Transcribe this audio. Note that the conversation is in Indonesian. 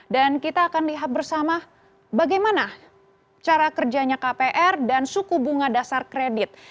kita akan lihat bersama bagaimana cara kerjanya kpr dan suku bunga dasar kredit